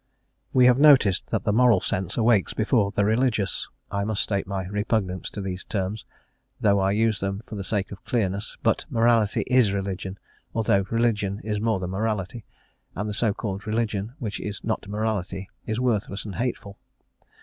We have noticed that the moral sense awakes before the religious (I must state my repugnance to these terms, although I use them for the sake of clearness; but morality is religion, although religion is more than morality, and the so called religion which is not morality is worthless and hateful).